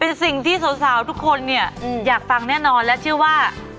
เป็นสิ่งที่สาวทุกคนเนี่ยอยากฟังแน่นอนและเชื่อว่า